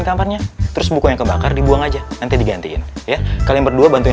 tampannya terus buku yang kebakar dibuang aja nanti digantiin ya kalian berdua bantuin